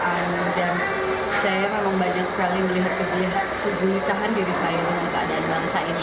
dan saya memang banyak sekali melihat kegulisan diri saya dengan keadaan bangsa ini